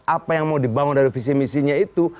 apa yang mau dibangun dari visi misinya itu